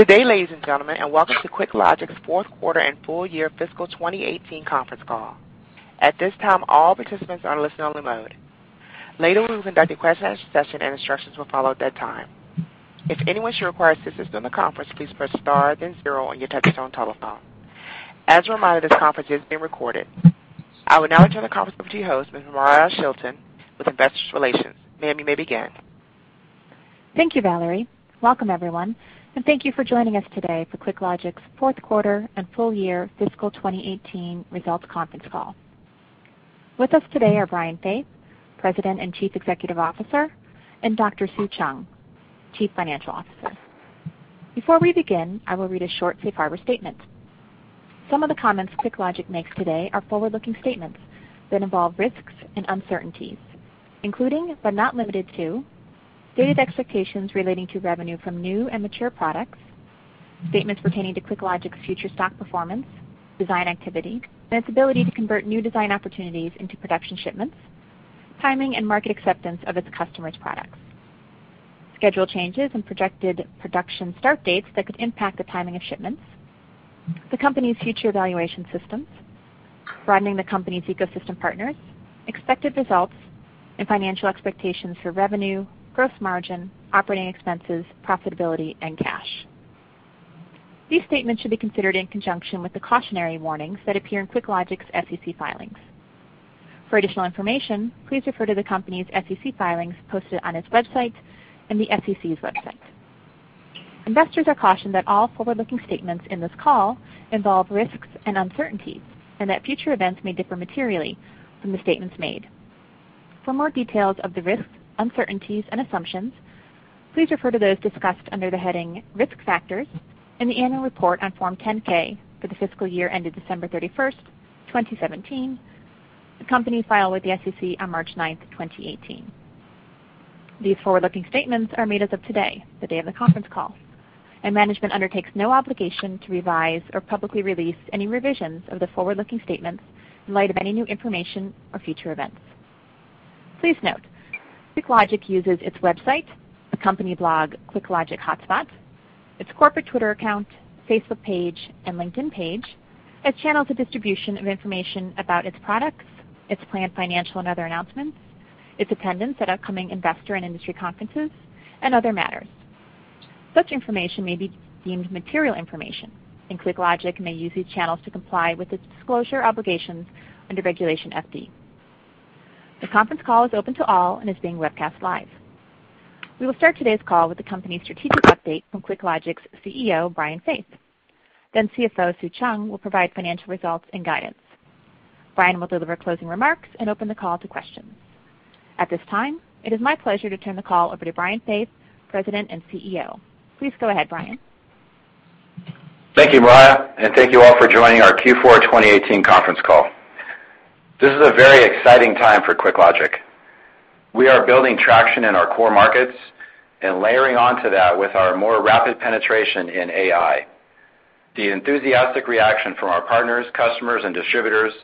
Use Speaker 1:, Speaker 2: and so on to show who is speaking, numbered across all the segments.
Speaker 1: Good day, ladies and gentlemen, welcome to QuickLogic's Fourth Quarter and Full Year Fiscal 2018 Conference Call. At this time, all participants are in listen only mode. Later, we will conduct a question-and-answer session. Instructions will follow at that time. If anyone should require assistance on the conference, please press star then zero on your touch-tone telephone. As a reminder, this conference is being recorded. I will now turn the conference over to your host, Ms. Andrea Vedanayagam, with investor relations. Ma'am, you may begin.
Speaker 2: Thank you, Valerie. Welcome everyone, thank you for joining us today for QuickLogic's fourth quarter and full year fiscal 2018 results conference call. With us today are Brian Faith, President and Chief Executive Officer, and Dr. Sue Cheung, Chief Financial Officer. Before we begin, I will read a short safe harbor statement. Some of the comments QuickLogic makes today are forward-looking statements that involve risks and uncertainties, including but not limited to stated expectations relating to revenue from new and mature products, statements pertaining to QuickLogic's future stock performance, design activity. Its ability to convert new design opportunities into production shipments, timing and market acceptance of its customers' products. Schedule changes and projected production start dates that could impact the timing of shipments, the company's future evaluation systems, broadening the company's ecosystem partners, expected results. Financial expectations for revenue, gross margin, operating expenses, profitability and cash. These statements should be considered in conjunction with the cautionary warnings that appear in QuickLogic's SEC filings. For additional information, please refer to the company's SEC filings posted on its website and the SEC's website. Investors are cautioned that all forward-looking statements in this call involve risks and uncertainties. Future events may differ materially from the statements made. For more details of the risks, uncertainties, and assumptions, please refer to those discussed under the heading Risk Factors in the annual report on Form 10-K for the fiscal year ended December 31st, 2017, the company's file with the SEC on March 9th, 2018. These forward-looking statements are made as of today, the day of the conference call. Management undertakes no obligation to revise or publicly release any revisions of the forward-looking statements in light of any new information or future events. Please note, QuickLogic uses its website, a company blog, QuickLogic Blog, its corporate Twitter account, Facebook page and LinkedIn page as channels of distribution of information about its products, its planned financial and other announcements, its attendance at upcoming investor and industry conferences. Other matters. Such information may be deemed material information. QuickLogic may use these channels to comply with its disclosure obligations under Regulation FD. The conference call is open to all. Is being webcast live. We will start today's call with the company's strategic update from QuickLogic's CEO, Brian Faith. CFO Sue Cheung will provide financial results and guidance. Brian will deliver closing remarks and open the call to questions. At this time, it is my pleasure to turn the call over to Brian Faith, President and CEO. Please go ahead, Brian.
Speaker 3: Thank you, Mariah, and thank you all for joining our Q4 2018 conference call. This is a very exciting time for QuickLogic. We are building traction in our core markets and layering onto that with our more rapid penetration in AI. The enthusiastic reaction from our partners, customers, and distributors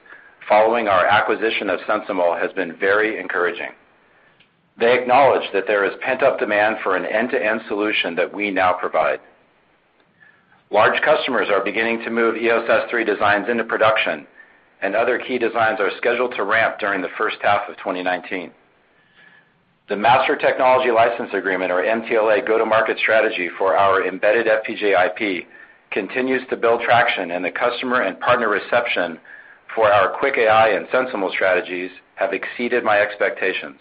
Speaker 3: following our acquisition of SensiML has been very encouraging. They acknowledge that there is pent-up demand for an end-to-end solution that we now provide. Large customers are beginning to move EOS S3 designs into production, and other key designs are scheduled to ramp during the first half of 2019. The Master Technology License Agreement, or MTLA go-to-market strategy for our embedded FPGA IP continues to build traction, and the customer and partner reception for our QuickAI and SensiML strategies have exceeded my expectations.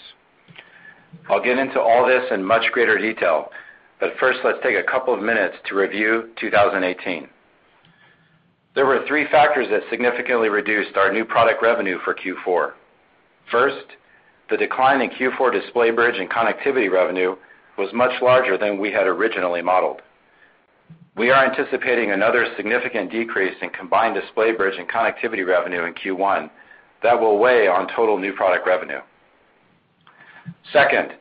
Speaker 3: I'll get into all this in much greater detail, but first let's take a couple of minutes to review 2018. There were three factors that significantly reduced our new product revenue for Q4. First, the decline in Q4 display bridge and connectivity revenue was much larger than we had originally modeled. We are anticipating another significant decrease in combined display bridge and connectivity revenue in Q1 that will weigh on total new product revenue. Second,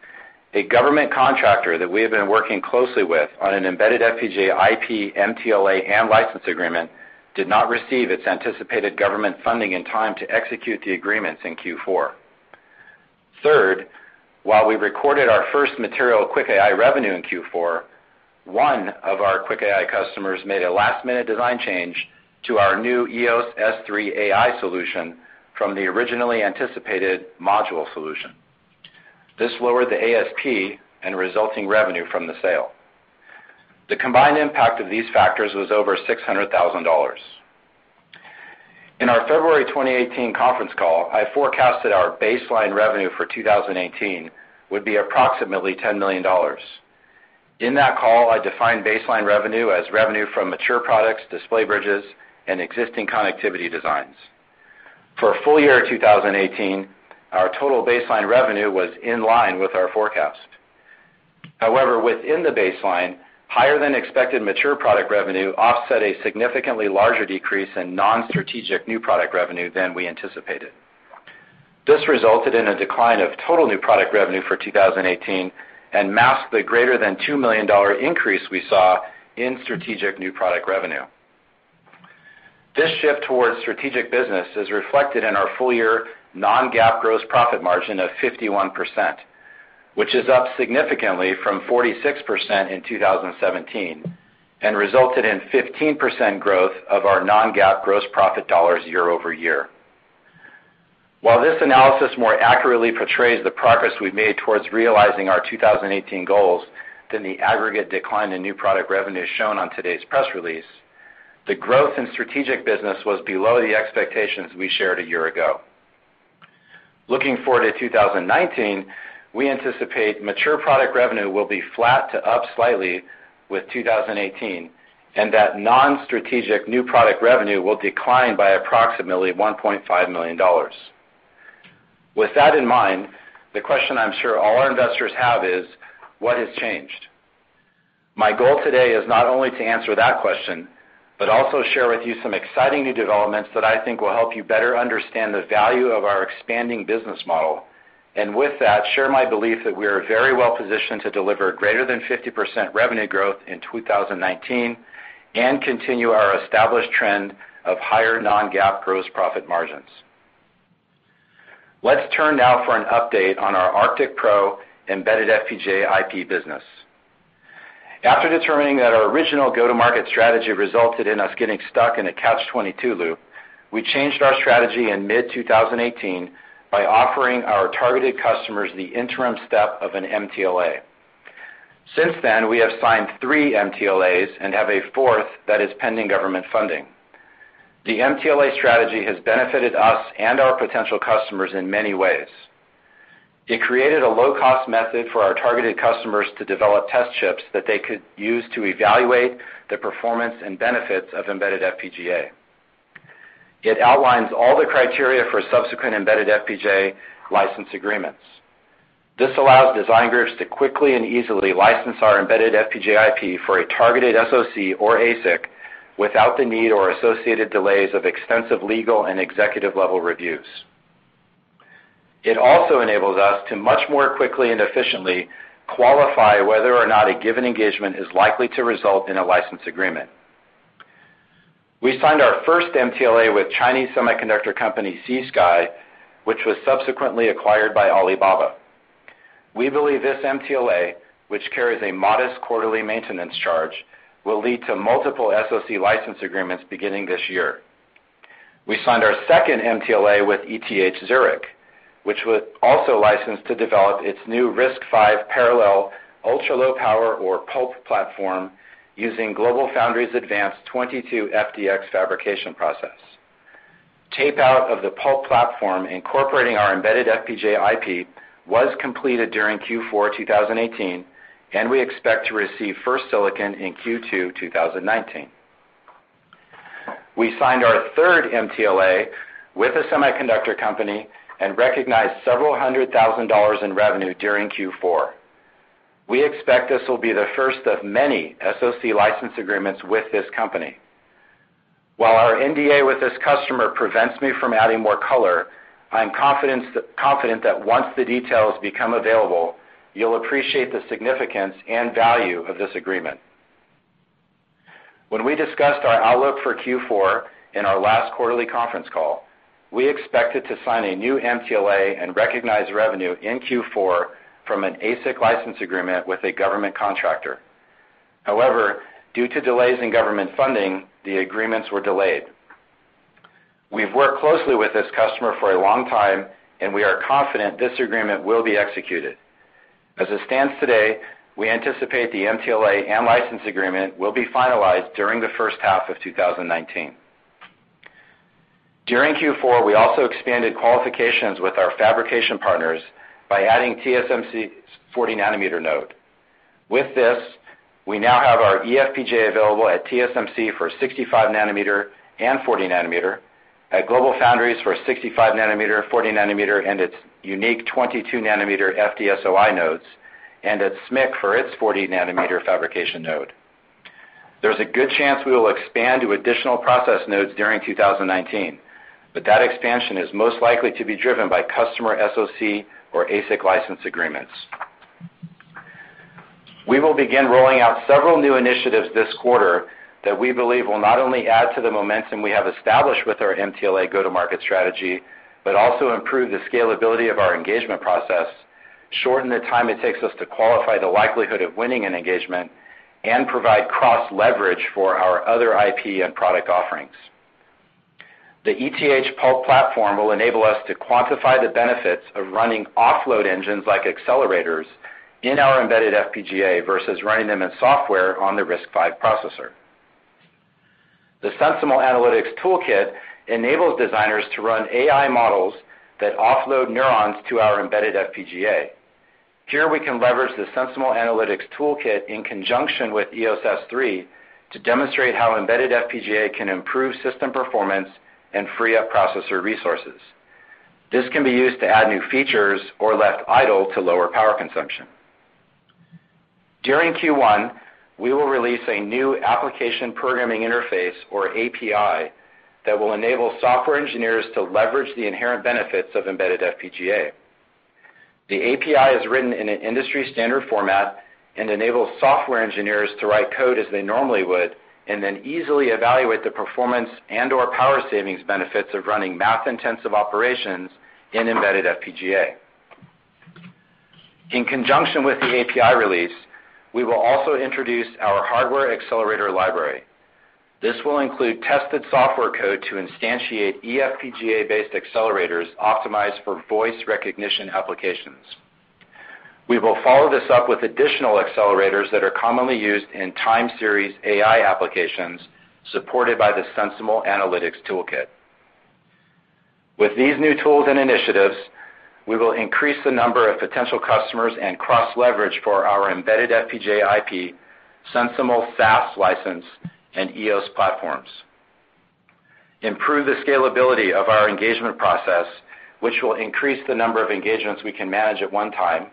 Speaker 3: a government contractor that we have been working closely with on an embedded FPGA IP MTLA and license agreement did not receive its anticipated government funding in time to execute the agreements in Q4. Third, while we recorded our first material QuickAI revenue in Q4, one of our QuickAI customers made a last-minute design change to our new EOS S3AI solution from the originally anticipated module solution. This lowered the ASP and resulting revenue from the sale. The combined impact of these factors was over $600,000. In our February 2018 conference call, I forecasted our baseline revenue for 2018 would be approximately $10 million. In that call, I defined baseline revenue as revenue from mature products, display bridges, and existing connectivity designs. For full year 2018, our total baseline revenue was in line with our forecast. However, within the baseline, higher than expected mature product revenue offset a significantly larger decrease in non-strategic new product revenue than we anticipated. This resulted in a decline of total new product revenue for 2018 and masked the greater than $2 million increase we saw in strategic new product revenue. This shift towards strategic business is reflected in our full-year non-GAAP gross profit margin of 51%, which is up significantly from 46% in 2017 and resulted in 15% growth of our non-GAAP gross profit dollars year-over-year. While this analysis more accurately portrays the progress we've made towards realizing our 2018 goals than the aggregate decline in new product revenue shown on today's press release, the growth in strategic business was below the expectations we shared a year ago. Looking forward to 2019, we anticipate mature product revenue will be flat to up slightly with 2018, and that non-strategic new product revenue will decline by approximately $1.5 million. With that in mind, the question I'm sure all our investors have is: What has changed? My goal today is not only to answer that question, but also share with you some exciting new developments that I think will help you better understand the value of our expanding business model. With that, share my belief that we are very well positioned to deliver greater than 50% revenue growth in 2019 and continue our established trend of higher non-GAAP gross profit margins. Let's turn now for an update on our ArcticPro embedded FPGA IP business. After determining that our original go-to-market strategy resulted in us getting stuck in a catch-22 loop, we changed our strategy in mid-2018 by offering our targeted customers the interim step of an MTLA. Since then, we have signed three MTLAs and have a fourth that is pending government funding. The MTLA strategy has benefited us and our potential customers in many ways. It created a low-cost method for our targeted customers to develop test chips that they could use to evaluate the performance and benefits of embedded FPGA. It outlines all the criteria for subsequent embedded FPGA license agreements. This allows design groups to quickly and easily license our embedded FPGA IP for a targeted SoC or ASIC without the need or associated delays of extensive legal and executive-level reviews. It also enables us to much more quickly and efficiently qualify whether or not a given engagement is likely to result in a license agreement. We signed our first MTLA with Chinese semiconductor company, C-SKY, which was subsequently acquired by Alibaba. We believe this MTLA, which carries a modest quarterly maintenance charge, will lead to multiple SoC license agreements beginning this year. We signed our second MTLA with ETH Zurich, which was also licensed to develop its new RISC-V parallel ultra-low power, or PULP, platform using GlobalFoundries advanced 22FDX fabrication process. Tape-out of the PULP platform incorporating our embedded FPGA IP was completed during Q4 2018, and we expect to receive first silicon in Q2 2019. We signed our third MTLA with a semiconductor company and recognized several hundred thousand dollars in revenue during Q4. We expect this will be the first of many SoC license agreements with this company. While our NDA with this customer prevents me from adding more color, I am confident that once the details become available, you'll appreciate the significance and value of this agreement. When we discussed our outlook for Q4 in our last quarterly conference call, we expected to sign a new MTLA and recognize revenue in Q4 from an ASIC license agreement with a government contractor. However, due to delays in government funding, the agreements were delayed. We've worked closely with this customer for a long time, and we are confident this agreement will be executed. As it stands today, we anticipate the MTLA and license agreement will be finalized during the first half of 2019. During Q4, we also expanded qualifications with our fabrication partners by adding TSMC's 40 nm node. With this, we now have our eFPGA available at TSMC for 65 nm and 40 nm, at GlobalFoundries for 65 nm, 40 nm, and its unique 22 nm FDSOI nodes, and at SMIC for its 40 nm fabrication node. That expansion is most likely to be driven by customer SoC or ASIC license agreements. We will begin rolling out several new initiatives this quarter that we believe will not only add to the momentum we have established with our MTLA go-to-market strategy, also improve the scalability of our engagement process, shorten the time it takes us to qualify the likelihood of winning an engagement, and provide cross-leverage for our other IP and product offerings. The ETH PULP platform will enable us to quantify the benefits of running offload engines like accelerators in our embedded FPGA versus running them in software on the RISC-V processor. The SensiML Analytics Toolkit enables designers to run AI models that offload neurons to our embedded FPGA. Here, we can leverage the SensiML Analytics Toolkit in conjunction with EOS S3 to demonstrate how embedded FPGA can improve system performance and free up processor resources. This can be used to add new features or left idle to lower power consumption. During Q1, we will release a new application programming interface, or API, that will enable software engineers to leverage the inherent benefits of embedded FPGA. The API is written in an industry-standard format and enables software engineers to write code as they normally would, then easily evaluate the performance and/or power savings benefits of running math-intensive operations in embedded FPGA. In conjunction with the API release, we will also introduce our hardware accelerator library. This will include tested software code to instantiate eFPGA-based accelerators optimized for voice recognition applications. We will follow this up with additional accelerators that are commonly used in time series AI applications supported by the SensiML Analytics Toolkit. With these new tools and initiatives, we will increase the number of potential customers and cross-leverage for our embedded FPGA IP, SensiML SaaS license, and EOS platforms, improve the scalability of our engagement process, which will increase the number of engagements we can manage at one time,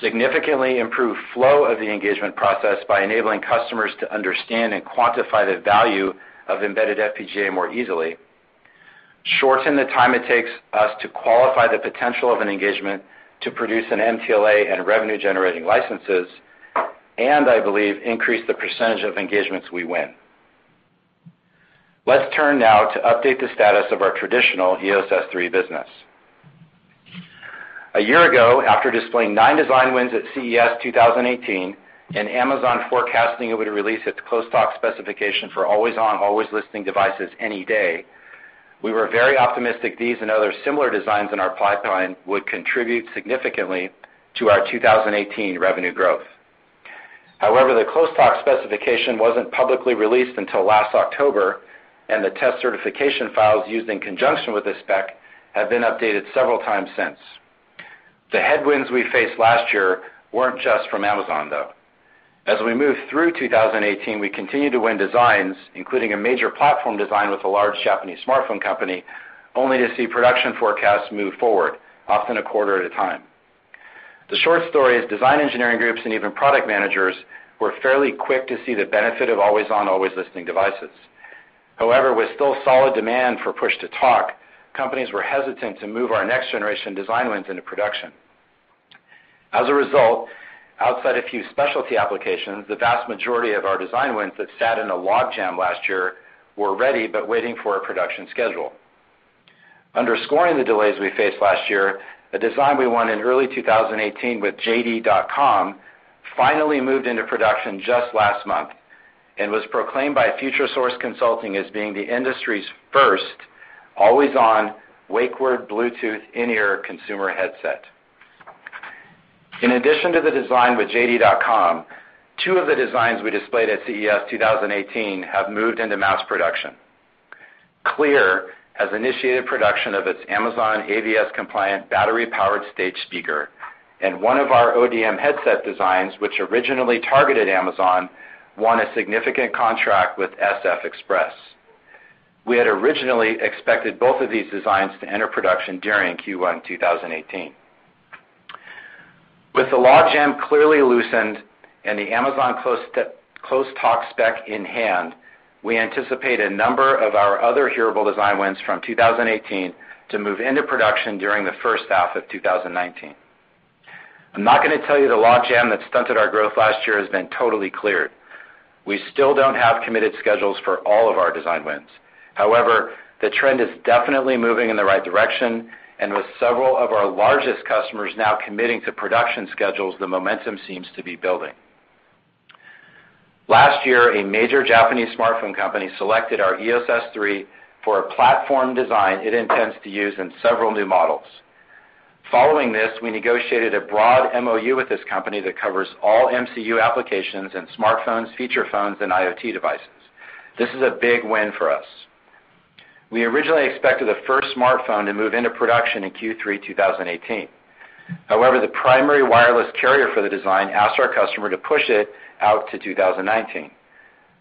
Speaker 3: significantly improve flow of the engagement process by enabling customers to understand and quantify the value of embedded FPGA more easily, shorten the time it takes us to qualify the potential of an engagement to produce an MTLA and revenue-generating licenses, and, I believe, increase the percentage of engagements we win. Let's turn now to update the status of our traditional EOS S3 business. A year ago, after displaying nine design wins at CES 2018 and Amazon forecasting it would release its close-talk specification for always-on, always-listening devices any day, we were very optimistic these and other similar designs in our pipeline would contribute significantly to our 2018 revenue growth. The close-talk specification wasn't publicly released until last October, the test certification files used in conjunction with this spec have been updated several times since. The headwinds we faced last year weren't just from Amazon, though. As we moved through 2018, we continued to win designs, including a major platform design with a large Japanese smartphone company, only to see production forecasts move forward, often a quarter at a time. The short story is design engineering groups and even product managers were fairly quick to see the benefit of always-on, always-listening devices. However, with still solid demand for push-to-talk, companies were hesitant to move our next-generation design wins into production. As a result, outside a few specialty applications, the vast majority of our design wins that sat in a logjam last year were ready but waiting for a production schedule. Underscoring the delays we faced last year, a design we won in early 2018 with JD.com finally moved into production just last month and was proclaimed by Futuresource Consulting as being the industry's first always-on wake word Bluetooth in-ear consumer headset. In addition to the design with JD.com, two of the designs we displayed at CES 2018 have moved into mass production. Cleer has initiated production of its Amazon AVS-compliant battery-powered stage speaker, and one of our ODM headset designs, which originally targeted Amazon, won a significant contract with SF Express. We had originally expected both of these designs to enter production during Q1 2018. With the logjam clearly loosened and the Amazon close-talk spec in hand, we anticipate a number of our other hearable design wins from 2018 to move into production during the first half of 2019. I'm not going to tell you the logjam that stunted our growth last year has been totally cleared. We still don't have committed schedules for all of our design wins. The trend is definitely moving in the right direction, and with several of our largest customers now committing to production schedules, the momentum seems to be building. Last year, a major Japanese smartphone company selected our EOS S3 for a platform design it intends to use in several new models. Following this, we negotiated a broad MoU with this company that covers all MCU applications in smartphones, feature phones, and IoT devices. This is a big win for us. We originally expected the first smartphone to move into production in Q3 2018. The primary wireless carrier for the design asked our customer to push it out to 2019.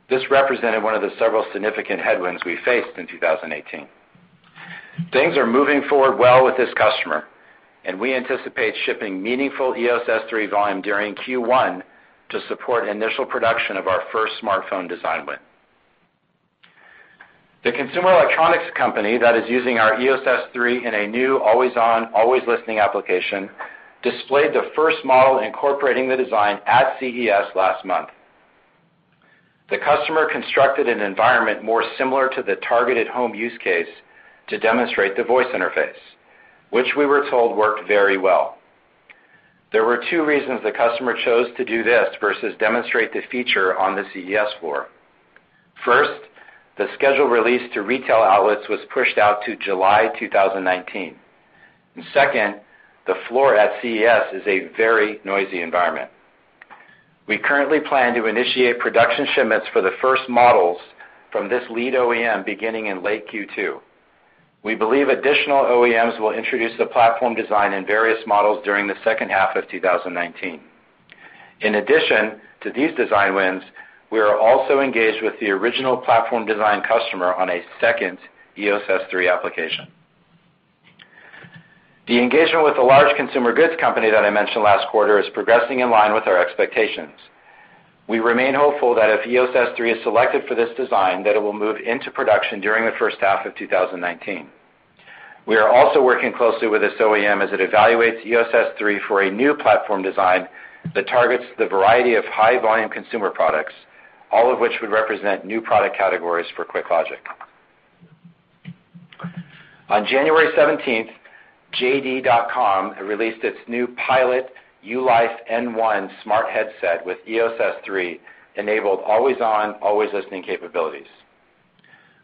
Speaker 3: This represented one of the several significant headwinds we faced in 2018. Things are moving forward well with this customer, and we anticipate shipping meaningful EOS S3 volume during Q1 to support initial production of our first smartphone design win. The consumer electronics company that is using our EOS S3 in a new always-on, always-listening application displayed the first model incorporating the design at CES last month. The customer constructed an environment more similar to the targeted home use case to demonstrate the voice interface, which we were told worked very well. There were two reasons the customer chose to do this versus demonstrate the feature on the CES floor. First, the scheduled release to retail outlets was pushed out to July 2019. Second, the floor at CES is a very noisy environment. We currently plan to initiate production shipments for the first models from this lead OEM beginning in late Q2. We believe additional OEMs will introduce the platform design in various models during the second half of 2019. In addition to these design wins, we are also engaged with the original platform design customer on a second EOS S3 application. The engagement with the large consumer goods company that I mentioned last quarter is progressing in line with our expectations. We remain hopeful that if EOS S3 is selected for this design, that it will move into production during the first half of 2019. We are also working closely with this OEM as it evaluates EOS S3 for a new platform design that targets the variety of high-volume consumer products, all of which would represent new product categories for QuickLogic. On January 17th, JD.com released its new Pilot YouLife N1 smart headset with EOS S3 enabled always-on, always-listening capabilities.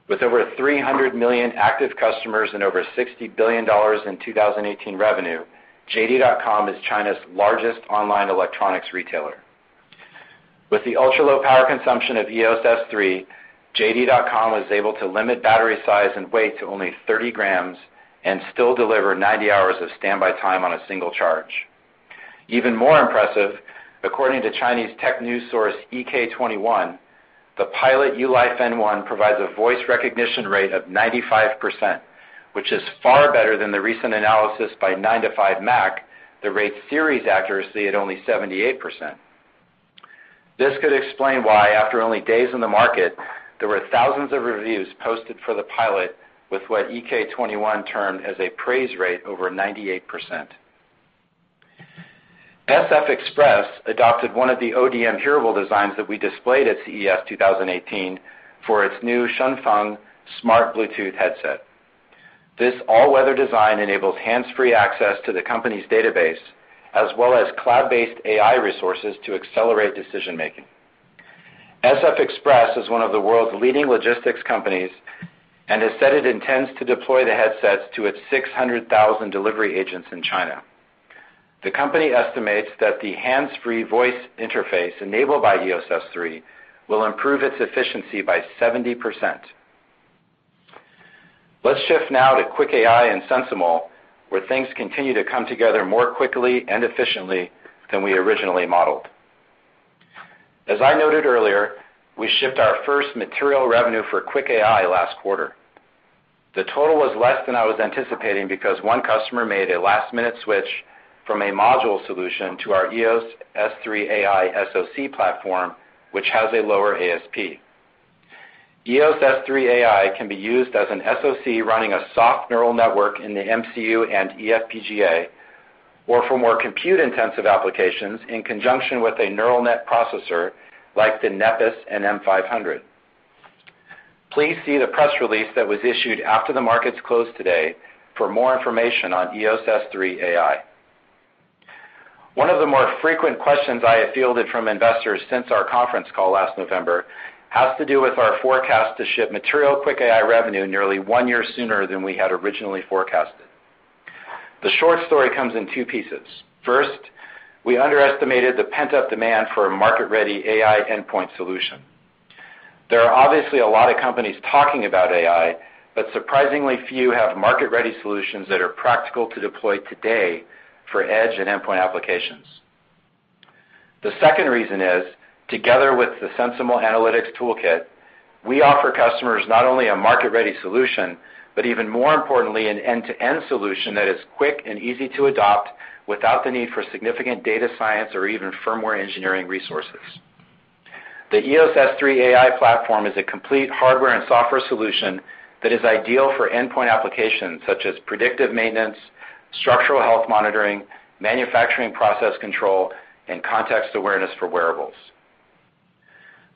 Speaker 3: With over 300 million active customers and over $60 billion in 2018 revenue, JD.com is China's largest online electronics retailer. With the ultra-low power consumption of EOS S3, JD.com is able to limit battery size and weight to only 30 grams and still deliver 90 hours of standby time on a single charge. Even more impressive, according to Chinese tech news source EK21, the Pilot YouLife N1 provides a voice recognition rate of 95%, which is far better than the recent analysis by 9to5Mac, that rates Siri's accuracy at only 78%. This could explain why, after only days in the market, there were thousands of reviews posted for the Pilot with what EK21 termed as a praise rate over 98%. SF Express adopted one of the ODM hearable designs that we displayed at CES 2018 for its new Shunfeng smart Bluetooth headset. This all-weather design enables hands-free access to the company's database, as well as cloud-based AI resources to accelerate decision-making. SF Express is one of the world's leading logistics companies and has said it intends to deploy the headsets to its 600,000 delivery agents in China. The company estimates that the hands-free voice interface enabled by EOS S3 will improve its efficiency by 70%. Let's shift now to QuickAI and SensiML, where things continue to come together more quickly and efficiently than we originally modeled. As I noted earlier, we shipped our first material revenue for QuickAI last quarter. The total was less than I was anticipating because one customer made a last-minute switch from a module solution to our EOS S3 AI SoC platform, which has a lower ASP. EOS S3 AI can be used as an SoC running a soft neural network in the MCU and eFPGA, or for more compute-intensive applications in conjunction with a neural net processor like the Nepes NM500. Please see the press release that was issued after the markets closed today for more information on EOS S3 AI. One of the more frequent questions I have fielded from investors since our conference call last November has to do with our forecast to ship material QuickAI revenue nearly one year sooner than we had originally forecasted. The short story comes in two pieces. First, we underestimated the pent-up demand for a market-ready AI endpoint solution. There are obviously a lot of companies talking about AI, but surprisingly few have market-ready solutions that are practical to deploy today for edge and endpoint applications. The second reason is, together with the SensiML Analytics Toolkit, we offer customers not only a market-ready solution, but even more importantly, an end-to-end solution that is quick and easy to adopt without the need for significant data science or even firmware engineering resources. The EOS S3 AI platform is a complete hardware and software solution that is ideal for endpoint applications such as predictive maintenance, structural health monitoring, manufacturing process control, and context awareness for wearables.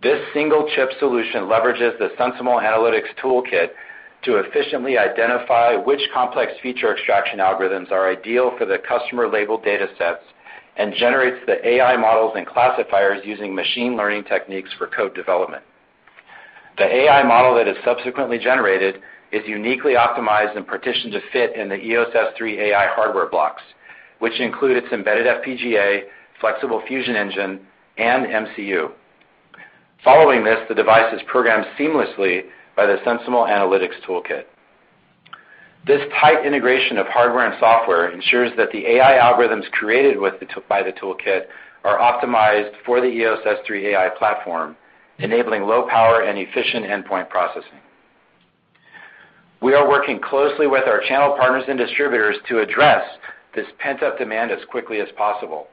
Speaker 3: This single-chip solution leverages the SensiML Analytics Toolkit to efficiently identify which complex feature extraction algorithms are ideal for the customer-labeled datasets and generates the AI models and classifiers using machine learning techniques for code development. The AI model that is subsequently generated is uniquely optimized and partitioned to fit in the EOS S3 AI hardware blocks, which include its embedded FPGA, flexible fusion engine, and MCU. Following this, the device is programmed seamlessly by the SensiML Analytics Toolkit. This tight integration of hardware and software ensures that the AI algorithms created by the toolkit are optimized for the EOS S3 AI platform, enabling low power and efficient endpoint processing. We are working closely with our channel partners and distributors to address this pent-up demand as quickly as possible.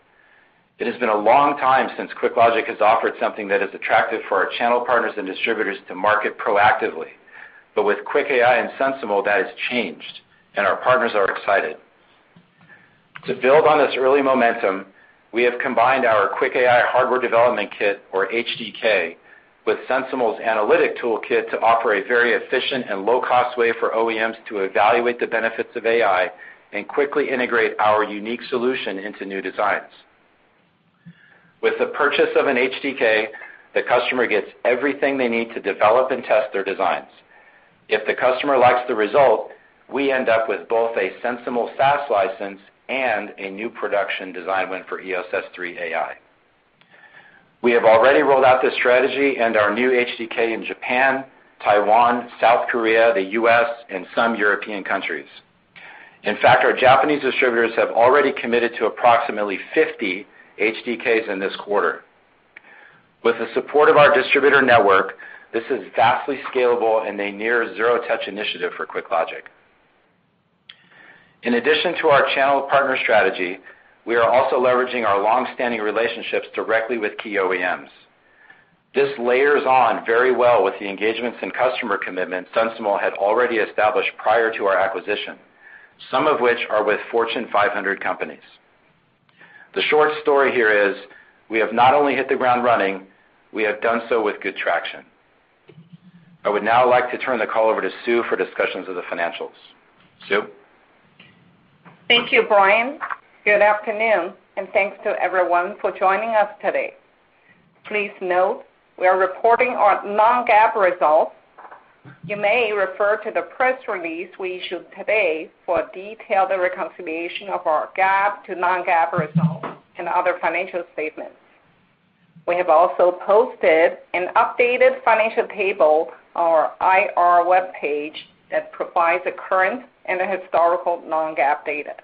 Speaker 3: It has been a long time since QuickLogic has offered something that is attractive for our channel partners and distributors to market proactively. With QuickAI and SensiML, that has changed, and our partners are excited. To build on this early momentum, we have combined our QuickAI hardware development kit, or HDK, with SensiML's analytic toolkit to offer a very efficient and low-cost way for OEMs to evaluate the benefits of AI and quickly integrate our unique solution into new designs. With the purchase of an HDK, the customer gets everything they need to develop and test their designs. If the customer likes the result, we end up with both a SensiML SaaS license and a new production design win for EOS S3 AI. We have already rolled out this strategy and our new HDK in Japan, Taiwan, South Korea, the U.S., and some European countries. In fact, our Japanese distributors have already committed to approximately 50 HDKs in this quarter. With the support of our distributor network, this is vastly scalable and a near zero-touch initiative for QuickLogic. In addition to our channel partner strategy, we are also leveraging our long-standing relationships directly with key OEMs. This layers on very well with the engagements and customer commitments SensiML had already established prior to our acquisition, some of which are with Fortune 500 companies. The short story here is we have not only hit the ground running, we have done so with good traction. I would now like to turn the call over to Sue for discussions of the financials. Sue?
Speaker 4: Thank you, Brian. Good afternoon, and thanks to everyone for joining us today. Please note we are reporting our non-GAAP results. You may refer to the press release we issued today for a detailed reconciliation of our GAAP to non-GAAP results and other financial statements. We have also posted an updated financial table on our IR webpage that provides the current and the historical non-GAAP data.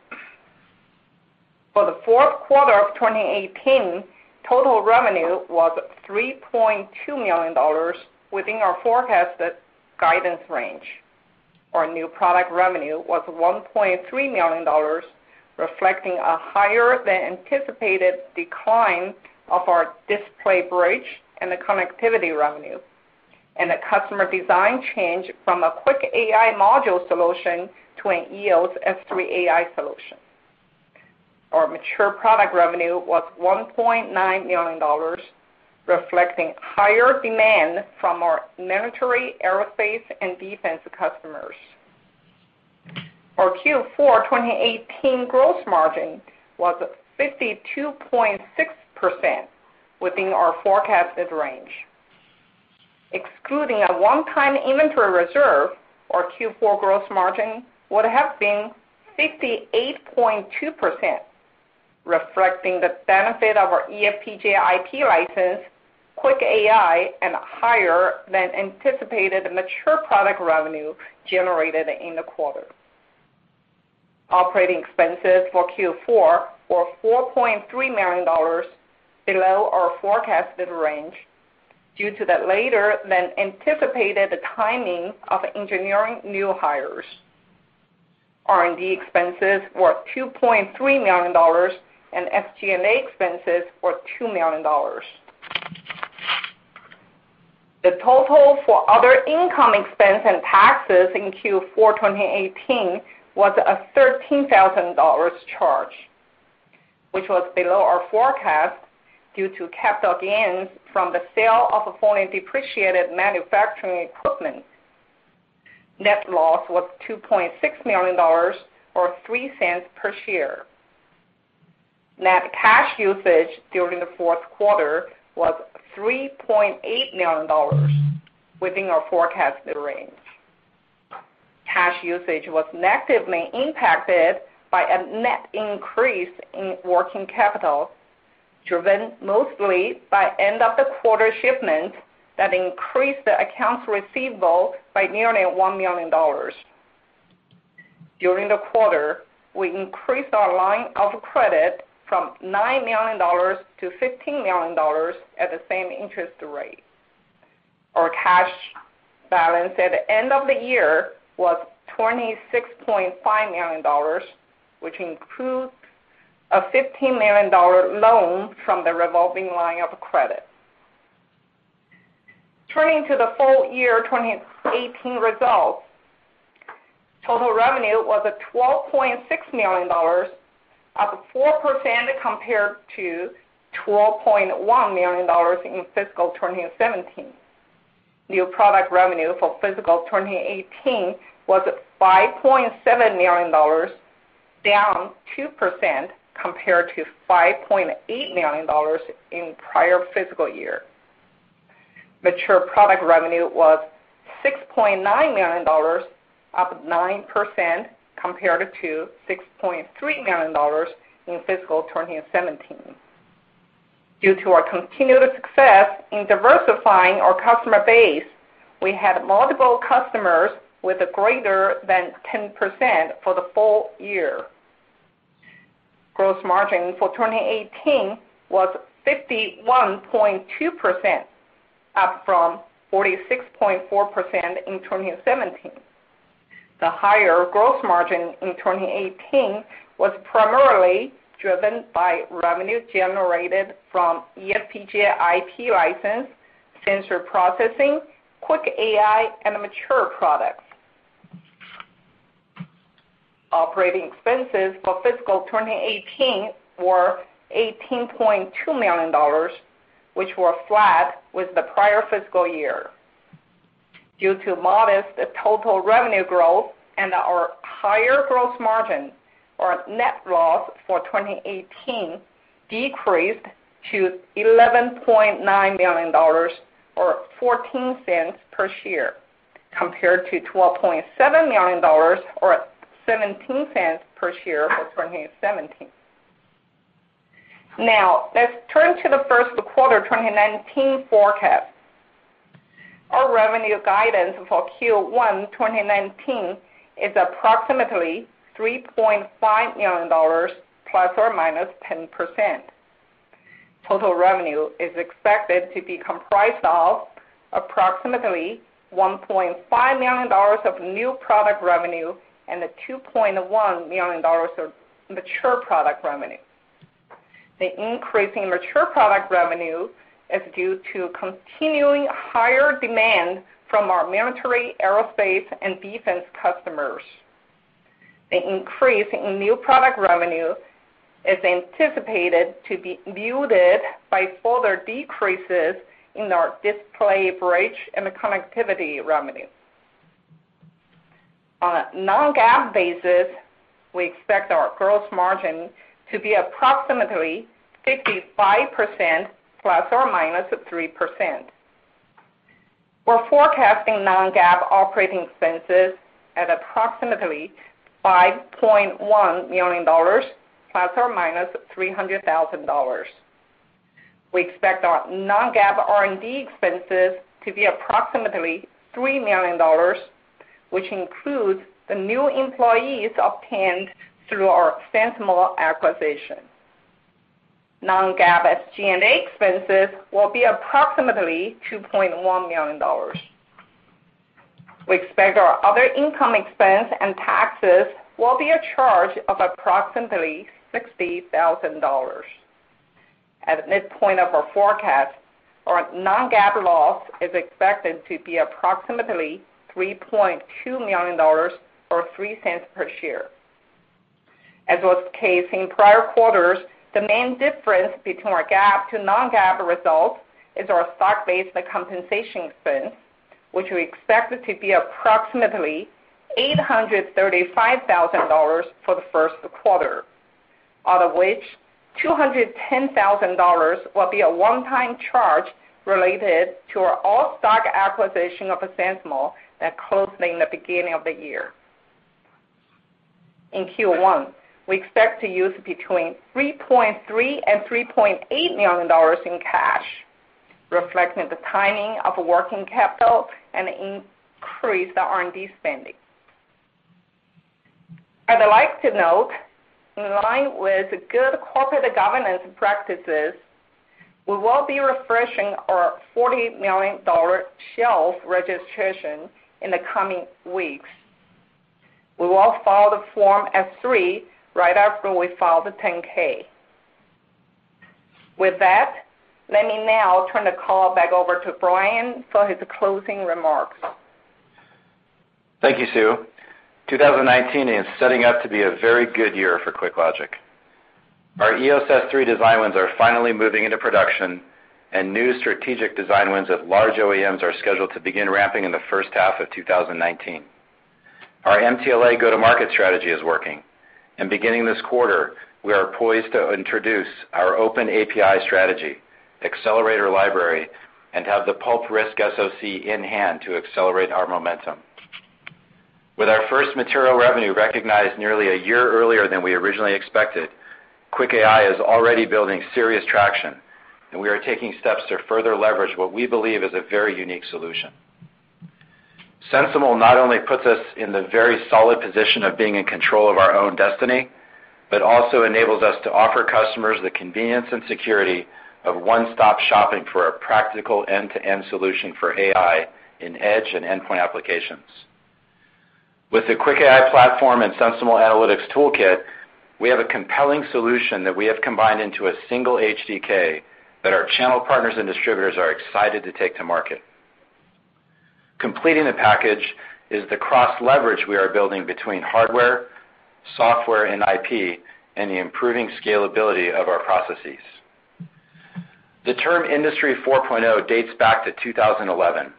Speaker 4: For the fourth quarter of 2018, total revenue was $3.2 million within our forecasted guidance range. Our new product revenue was $1.3 million, reflecting a higher than anticipated decline of our display bridge and the connectivity revenue, and a customer design change from a QuickAI module solution to an EOS S3AI solution. Our mature product revenue was $1.9 million, reflecting higher demand from our military, aerospace, and defense customers. Our Q4 2018 gross margin was 52.6%, within our forecasted range. Excluding a one-time inventory reserve, our Q4 gross margin would have been 58.2%, reflecting the benefit of our eFPGA IP license, QuickAI, and higher than anticipated mature product revenue generated in the quarter. Operating expenses for Q4 were $4.3 million, below our forecasted range due to the later than anticipated timing of engineering new hires. R&D expenses were $2.3 million, and SG&A expenses were $2 million. The total for other income expense and taxes in Q4 2018 was a $13,000 charge, which was below our forecast due to capital gains from the sale of fully depreciated manufacturing equipment. Net loss was $2.6 million, or $0.03 per share. Net cash usage during the fourth quarter was $3.8 million, within our forecasted range. Cash usage was negatively impacted by a net increase in working capital, driven mostly by end-of-the-quarter shipments that increased the accounts receivable by nearly $1 million. During the quarter, we increased our line of credit from $9 million to $15 million at the same interest rate. Our cash balance at the end of the year was $26.5 million, which includes a $15 million loan from the revolving line of credit. Turning to the full year 2018 results. Total revenue was at $12.6 million, up 4% compared to $12.1 million in fiscal 2017. New product revenue for fiscal 2018 was $5.7 million, down 2% compared to $5.8 million in prior fiscal year. Mature product revenue was $6.9 million, up 9% compared to $6.3 million in fiscal 2017. Due to our continued success in diversifying our customer base, we had multiple customers with greater than 10% for the full year. Gross margin for 2018 was 51.2%, up from 46.4% in 2017. The higher gross margin in 2018 was primarily driven by revenue generated from eFPGA IP license, sensor processing, QuickAI, and mature products. Operating expenses for fiscal 2018 were $18.2 million, which were flat with the prior fiscal year. Due to modest total revenue growth and our higher gross margin, our net loss for 2018 decreased to $11.9 million or $0.14 per share, compared to $12.7 million or $0.17 per share for 2017. Now, let's turn to the first quarter 2019 forecast. Our revenue guidance for Q1 2019 is approximately $3.5 million ±10%. Total revenue is expected to be comprised of approximately $1.5 million of new product revenue and $2.1 million of mature product revenue. The increase in mature product revenue is due to continuing higher demand from our military, aerospace, and defense customers. The increase in new product revenue is anticipated to be muted by further decreases in our display, bridge, and connectivity revenue. On a non-GAAP basis, we expect our gross margin to be approximately 55% ±3%. We're forecasting non-GAAP operating expenses at approximately $5.1 million ±$300,000. We expect our non-GAAP R&D expenses to be approximately $3 million, which includes the new employees obtained through our SensiML acquisition. Non-GAAP SG&A expenses will be approximately $2.1 million. We expect our other income expense and taxes will be a charge of approximately $60,000. At midpoint of our forecast, our non-GAAP loss is expected to be approximately $3.2 million, or $0.03 per share. As was the case in prior quarters, the main difference between our GAAP to non-GAAP results is our stock-based compensation expense, which we expect it to be approximately $835,000 for the first quarter, out of which $210,000 will be a one-time charge related to our all-stock acquisition of SensiML that closed in the beginning of the year. In Q1, we expect to use between $3.3 million and $3.8 million in cash, reflecting the timing of working capital and increased R&D spending. I'd like to note, in line with good corporate governance practices, we will be refreshing our $40 million shelf registration in the coming weeks. We will file the Form S-3 right after we file the 10-K. With that, let me now turn the call back over to Brian for his closing remarks.
Speaker 3: Thank you, Sue. 2019 is setting up to be a very good year for QuickLogic. Our EOS S3 design wins are finally moving into production, and new strategic design wins at large OEMs are scheduled to begin ramping in the first half of 2019. Our MTLA go-to-market strategy is working, and beginning this quarter, we are poised to introduce our open API strategy, accelerator library, and have the PULP RISC-V SoC in hand to accelerate our momentum. With our first material revenue recognized nearly a year earlier than we originally expected, QuickAI is already building serious traction, and we are taking steps to further leverage what we believe is a very unique solution. SensiML not only puts us in the very solid position of being in control of our own destiny, but also enables us to offer customers the convenience and security of one-stop shopping for a practical end-to-end solution for AI in edge and endpoint applications. With the QuickAI platform and SensiML Analytics Toolkit, we have a compelling solution that we have combined into a single SDK that our channel partners and distributors are excited to take to market. Completing the package is the cross-leverage we are building between hardware, software, and IP, and the improving scalability of our processes. The term Industry 4.0 dates back to 2011.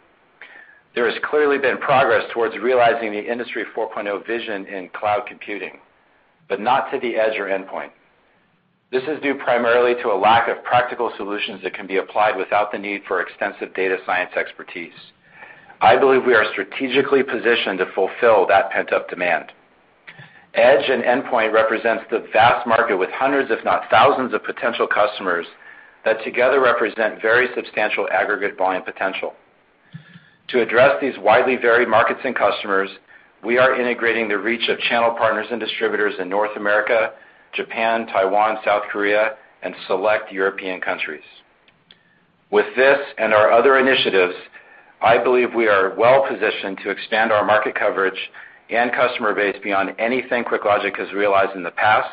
Speaker 3: There has clearly been progress towards realizing the Industry 4.0 vision in cloud computing, but not to the edge or endpoint. This is due primarily to a lack of practical solutions that can be applied without the need for extensive data science expertise. I believe we are strategically positioned to fulfill that pent-up demand. Edge and endpoint represents the vast market with hundreds, if not thousands, of potential customers that together represent very substantial aggregate volume potential. To address these widely varied markets and customers, we are integrating the reach of channel partners and distributors in North America, Japan, Taiwan, South Korea, and select European countries. With this and our other initiatives, I believe we are well-positioned to expand our market coverage and customer base beyond anything QuickLogic has realized in the past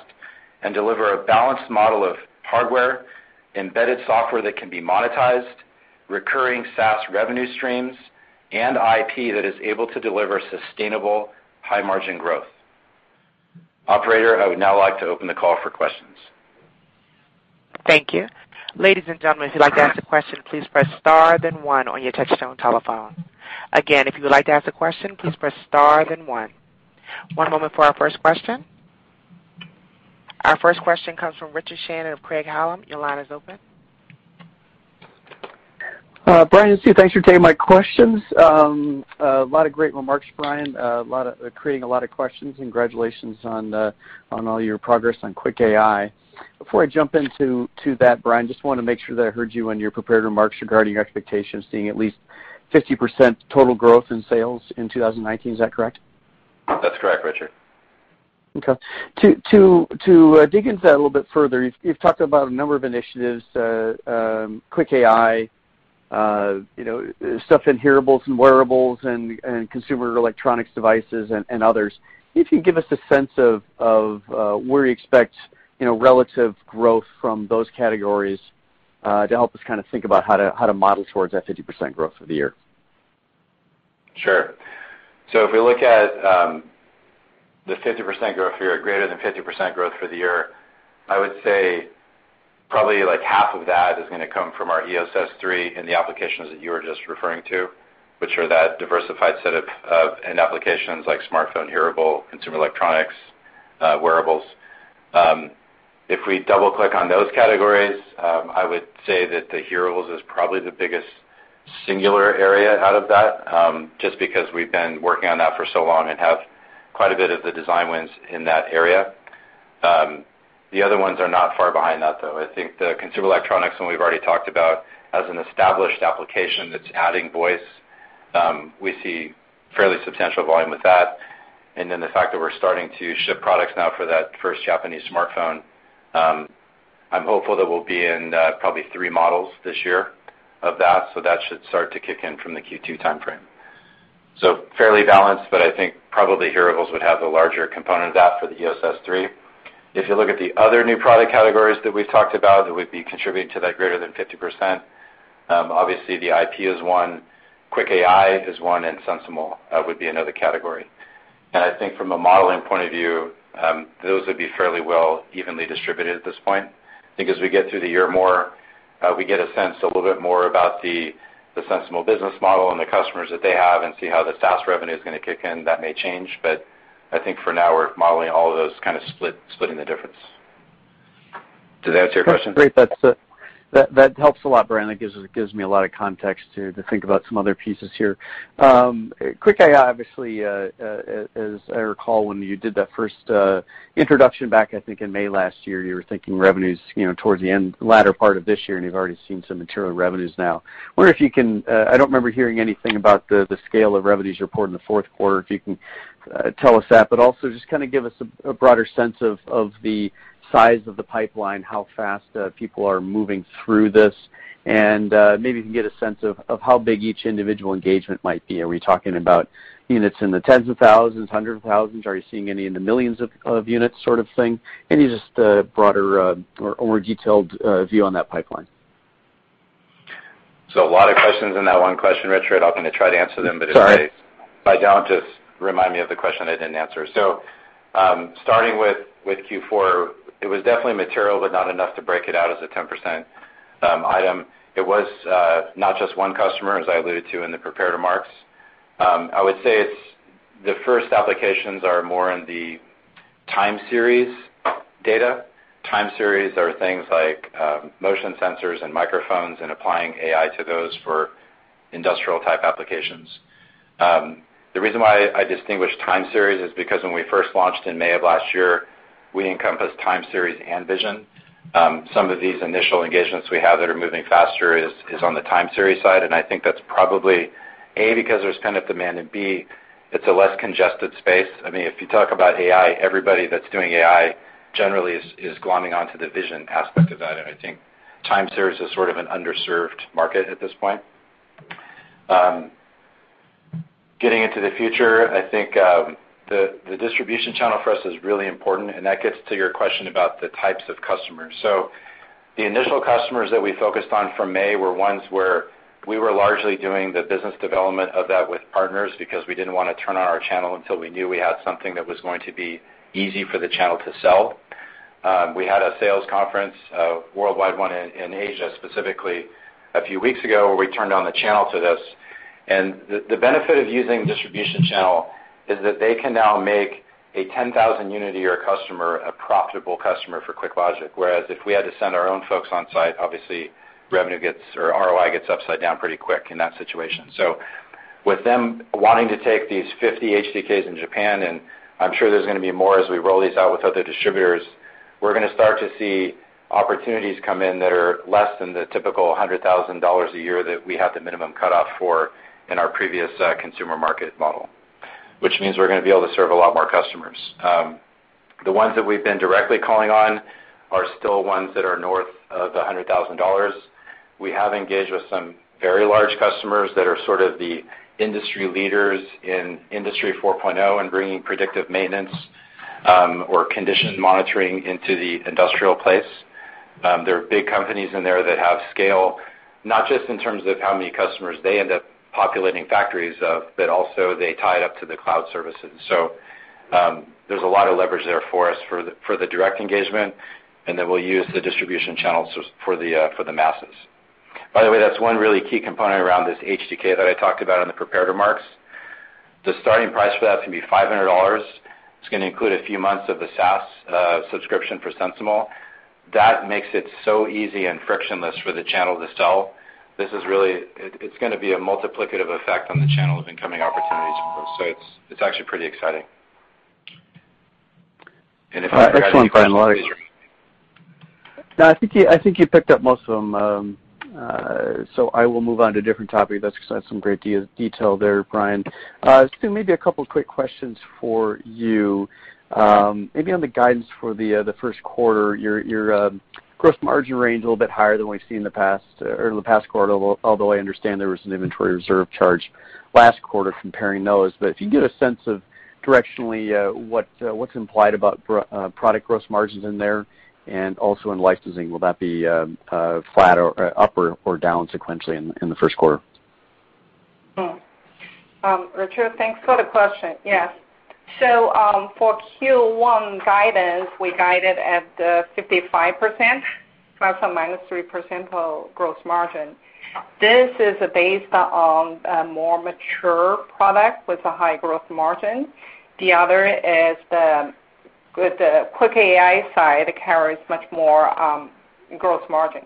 Speaker 3: and deliver a balanced model of hardware, embedded software that can be monetized, recurring SaaS revenue streams, and IP that is able to deliver sustainable high-margin growth. Operator, I would now like to open the call for questions.
Speaker 1: Thank you. Ladies and gentlemen, if you'd like to ask a question, please press star then one on your touch-tone telephone. Again, if you would like to ask a question, please press star then one. One moment for our first question. Our first question comes from Richard Shannon of Craig-Hallum. Your line is open.
Speaker 5: Brian and Sue, thanks for taking my questions. A lot of great remarks, Brian. Creating a lot of questions. Congratulations on all your progress on QuickAI. Before I jump into that, Brian, just want to make sure that I heard you on your prepared remarks regarding your expectations, seeing at least 50% total growth in sales in 2019. Is that correct?
Speaker 3: That's correct, Richard.
Speaker 5: To dig into that a little bit further, you've talked about a number of initiatives, QuickAI, stuff in hearables and wearables and consumer electronics devices and others. If you can give us a sense of where you expect relative growth from those categories, to help us think about how to model towards that 50% growth for the year.
Speaker 3: Sure. If we look at the 50% growth for the year, greater than 50% growth for the year, I would say probably half of that is going to come from our EOS S3 and the applications that you were just referring to, which are that diversified set of end applications like smartphone, hearables, consumer electronics, wearables. If we double-click on those categories, I would say that the hearables is probably the biggest singular area out of that, just because we've been working on that for so long and have quite a bit of the design wins in that area. The other ones are not far behind that, though. I think the consumer electronics one we've already talked about as an established application that's adding voice. We see fairly substantial volume with that. The fact that we're starting to ship products now for that first Japanese smartphone, I'm hopeful that we'll be in probably three models this year of that, so that should start to kick in from the Q2 timeframe. Fairly balanced, but I think probably hearables would have the larger component of that for the EOS S3. If you look at the other new product categories that we've talked about, that would be contributing to that greater than 50%. Obviously, the IP is one, QuickAI is one, SensiML would be another category. I think from a modeling point of view, those would be fairly well evenly distributed at this point. I think as we get through the year more, we get a sense a little bit more about the SensiML business model and the customers that they have and see how the SaaS revenue is going to kick in. That may change, but I think for now, we're modeling all of those splitting the difference. Did that answer your question?
Speaker 5: That's great. That helps a lot, Brian. That gives me a lot of context to think about some other pieces here. QuickAI, obviously, as I recall, when you did that first introduction back, I think in May last year, you were thinking revenues towards the end, the latter part of this year, and you've already seen some material revenues now. I wonder if you can I don't remember hearing anything about the scale of revenues reported in the fourth quarter, if you can tell us that, but also just give us a broader sense of the size of the pipeline, how fast people are moving through this, and maybe we can get a sense of how big each individual engagement might be. Are we talking about units in the tens of thousands, hundreds of thousands? Are you seeing any in the millions of units sort of thing? Any just broader or more detailed view on that pipeline?
Speaker 3: A lot of questions in that one question, Richard. I'm going to try to answer them.
Speaker 5: Sorry
Speaker 3: If I don't, just remind me of the question I didn't answer. Starting with Q4, it was definitely material, but not enough to break it out as a 10% item. It was not just one customer, as I alluded to in the prepared remarks. I would say the first applications are more in the time series data. Time series are things like motion sensors and microphones and applying AI to those for industrial-type applications. The reason why I distinguish time series is because when we first launched in May of last year, we encompassed time series and vision. Some of these initial engagements we have that are moving faster is on the time series side, and I think that's probably, A, because there's demand, and B, it's a less congested space. If you talk about AI, everybody that's doing AI generally is glomming onto the vision aspect of that, and I think time series is sort of an underserved market at this point. Getting into the future, I think the distribution channel for us is really important, and that gets to your question about the types of customers. The initial customers that we focused on from May were ones where we were largely doing the business development of that with partners because we didn't want to turn on our channel until we knew we had something that was going to be easy for the channel to sell. We had a sales conference, a worldwide one in Asia, specifically a few weeks ago where we turned on the channel to this. The benefit of using the distribution channel is that they can now make a 10,000 unit a year customer a profitable customer for QuickLogic. Whereas if we had to send our own folks on-site, obviously, revenue gets or ROI gets upside down pretty quick in that situation. With them wanting to take these 50 HDKs in Japan, and I'm sure there's going to be more as we roll these out with other distributors, we're going to start to see opportunities come in that are less than the typical $100,000 a year that we had the minimum cutoff for in our previous consumer market model, which means we're going to be able to serve a lot more customers. The ones that we've been directly calling on are still ones that are north of the $100,000. We have engaged with some very large customers that are sort of the industry leaders in Industry 4.0 and bringing predictive maintenance or condition monitoring into the industrial place. There are big companies in there that have scale, not just in terms of how many customers they end up populating factories of, but also they tie it up to the cloud services. There's a lot of leverage there for us for the direct engagement, and then we'll use the distribution channels for the masses. By the way, that's one really key component around this HDK that I talked about in the prepared remarks. The starting price for that is going to be $500. It's going to include a few months of the SaaS subscription for SensiML. That makes it so easy and frictionless for the channel to sell. It's going to be a multiplicative effect on the channel of incoming opportunities for us. It's actually pretty exciting.
Speaker 5: Excellent, Brian. No, I think you picked up most of them, so I will move on to a different topic. That's some great detail there, Brian. Sue, maybe a couple of quick questions for you. Maybe on the guidance for the first quarter, your gross margin range a little bit higher than we've seen in the past or the past quarter, although I understand there was an inventory reserve charge last quarter comparing those. If you can give a sense of directionally what's implied about product gross margins in there and also in licensing, will that be flat or up or down sequentially in the first quarter?
Speaker 4: Richard, thanks for the question. Yes. For Q1 guidance, we guided at the 55%, ±3% of gross margin. This is based on a more mature product with a high growth margin. The other is the QuickAI side carries much more gross margin.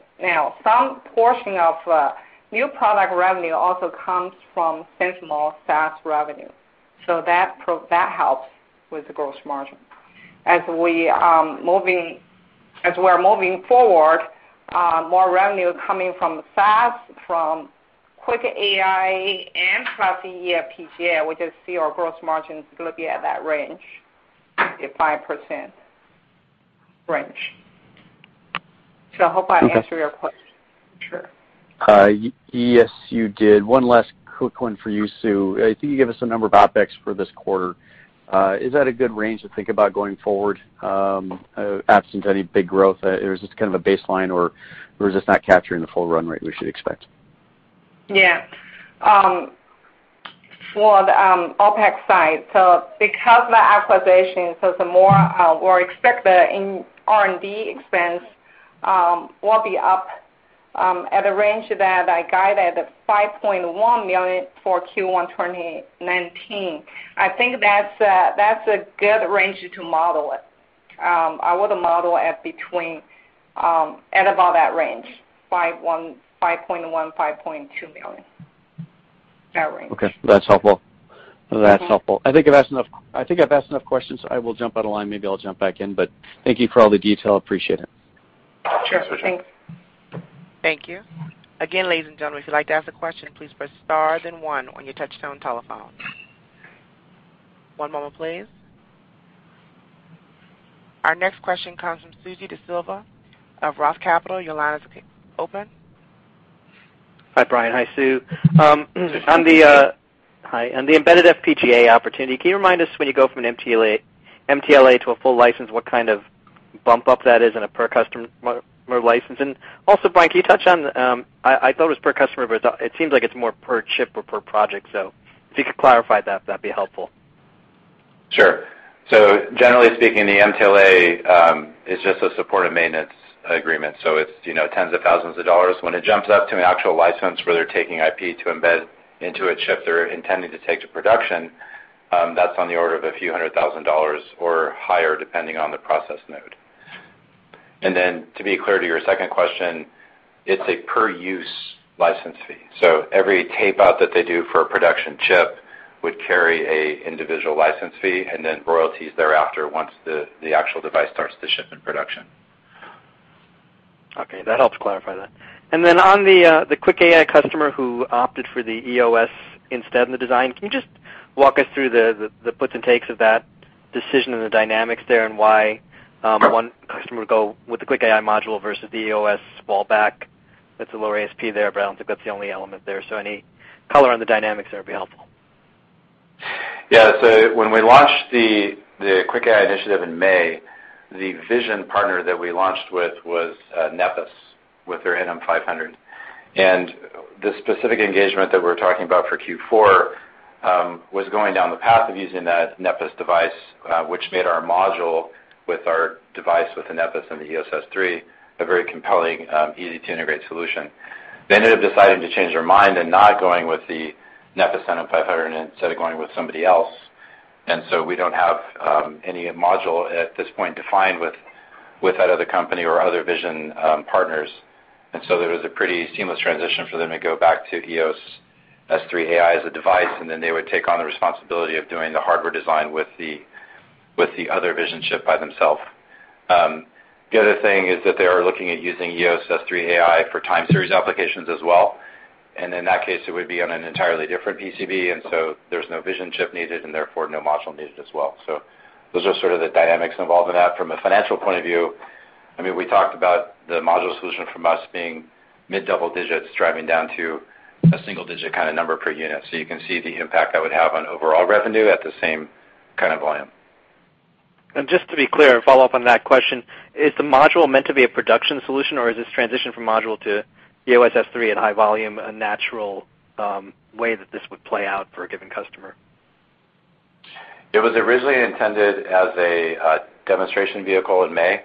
Speaker 4: Some portion of new product revenue also comes from SensiML SaaS revenue, so that helps with the gross margin. As we are moving forward, more revenue coming from SaaS, from QuickAI, and throughout the year, eFPGA, we just see our gross margins going to be at that range, 55% range. I hope I answered your question, Sue.
Speaker 5: Yes, you did. One last quick one for you, Sue. I think you gave us a number of OpEx for this quarter. Is that a good range to think about going forward, absent any big growth? Or is this kind of a baseline, or is this not capturing the full run rate we should expect?
Speaker 4: For the OpEx side, because of the acquisition, we expect the R&D expense will be up at a range that I guided at $5.1 million for Q1 2019. I think that's a good range to model it. I would model at above that range, $5.1 million-$5.2 million. That range.
Speaker 5: Okay. That's helpful. That's helpful. I think I've asked enough questions. I will jump out of line. Maybe I'll jump back in. Thank you for all the detail. Appreciate it.
Speaker 4: Sure thing.
Speaker 1: Thank you. Again, ladies and gentlemen, if you'd like to ask a question, please press star then one on your touch-tone telephone. One moment, please. Our next question comes from Suji Desilva of Roth Capital. Your line is open.
Speaker 6: Hi, Brian. Hi, Sue. Hi. On the embedded FPGA opportunity, can you remind us when you go from an MTLA to a full license, what kind of bump up that is in a per customer license? Also, Brian, can you touch on, I thought it was per customer. It seems like it's more per chip or per project. If you could clarify that'd be helpful.
Speaker 3: Generally speaking, the MTLA is just a support and maintenance agreement, so it's tens of thousands of dollars. When it jumps up to an actual license where they're taking IP to embed into a chip they're intending to take to production, that's on the order of a few hundred thousand dollars or higher, depending on the process node. To be clear to your second question, it's a per-use license fee. Every tape-out that they do for a production chip would carry a individual license fee, and then royalties thereafter once the actual device starts to ship in production.
Speaker 6: Okay, that helps clarify that. On the QuickAI customer who opted for the EOS instead in the design, can you just walk us through the puts and takes of that decision and the dynamics there and why one customer would go with the QuickAI module versus the EOS fall back? That's a lower ASP there, but I don't think that's the only element there. Any color on the dynamics there would be helpful.
Speaker 3: Yeah. When we launched the QuickAI initiative in May, the vision partner that we launched with was Nepes with their NM500. The specific engagement that we're talking about for Q4 was going down the path of using that Nepes device, which made our module with our device with the Nepes and the EOS S3 a very compelling, easy-to-integrate solution. They ended up deciding to change their mind and not going with the Nepes NM500 and instead of going with somebody else, we don't have any module at this point defined with that other company or other vision partners. It was a pretty seamless transition for them to go back to EOS S3AI as a device, and then they would take on the responsibility of doing the hardware design with the other vision chip by themself. The other thing is that they are looking at using EOS S3AI for time series applications as well. In that case, it would be on an entirely different PCB, so there's no vision chip needed, and therefore, no module needed as well. Those are sort of the dynamics involved in that. From a financial point of view, we talked about the module solution from us being mid double digits, driving down to a single digit kind of number per unit. You can see the impact that would have on overall revenue at the same kind of volume.
Speaker 6: Just to be clear, follow up on that question, is the module meant to be a production solution, or is this transition from module to EOS S3 at high volume a natural way that this would play out for a given customer?
Speaker 3: It was originally intended as a demonstration vehicle in May.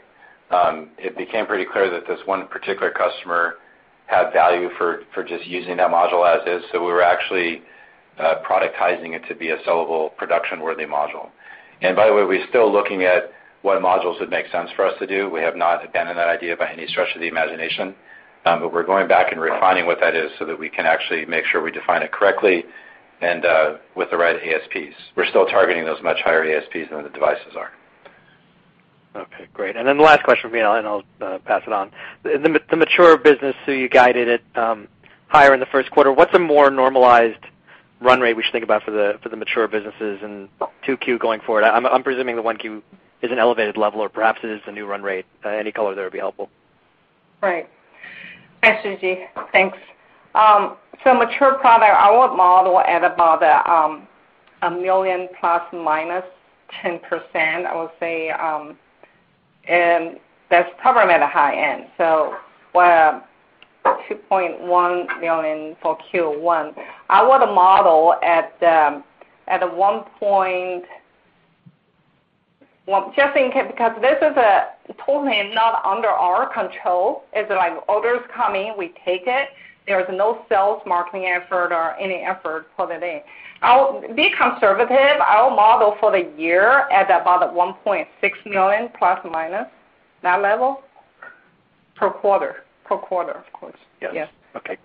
Speaker 3: It became pretty clear that this one particular customer had value for just using that module as is, so we were actually productizing it to be a sellable production-worthy module. By the way, we're still looking at what modules would make sense for us to do. We have not abandoned that idea by any stretch of the imagination. But we're going back and refining what that is so that we can actually make sure we define it correctly and with the right ASPs. We're still targeting those much higher ASPs than the devices are.
Speaker 6: Okay, great. Then the last question from me, and I'll pass it on. The mature business, so you guided it higher in the first quarter, what's a more normalized run rate we should think about for the mature businesses in 2Q going forward? I'm presuming the 1Q is an elevated level or perhaps it is the new run rate. Any color there would be helpful.
Speaker 4: Right. Thanks, Suji. Thanks. Mature product, I would model at about $1 million ±10%, I would say, and that's probably at the high end. $2.1 million for Q1. Just in case, because this is totally not under our control, is that if orders come in, we take it. There is no sales marketing effort or any effort for the day. I'll be conservative. I'll model for the year at about $1.6± million, that level, per quarter. Per quarter, of course.
Speaker 6: Yes.
Speaker 4: Yes.
Speaker 6: Okay.